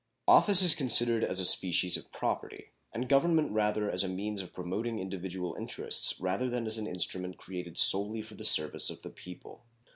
Office is considered as a species of property, and government rather as a means of promoting individual interests than as an instrument created solely for the service of the people.